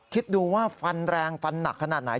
คิดดูว่าฟันแรงฟันหนักขนาดไหน